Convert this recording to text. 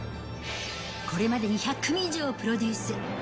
これまでに１００組以上をプロデュース。